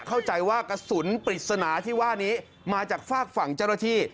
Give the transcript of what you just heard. เข้าใจว่ากระสุนปริศนาที่ว่านี้มาจากฝากฝั่งเจ้าหน้าที่